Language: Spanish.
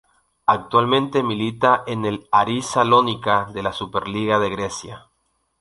Actualmente milita en el Aris Salónica de la Superliga de Grecia.